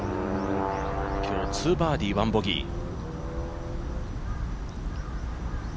今日２バーディー、１ボギー。